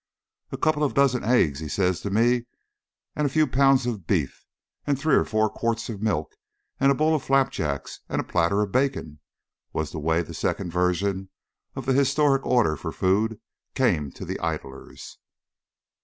"A couple of dozen eggs, he says to me, and a few pounds of beef and three or four quarts of milk and a bowl of flapjacks and a platter of bacon," was the way the second version of the historic order for food came to the idlers.